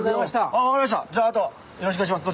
じゃああとよろしくお願いします。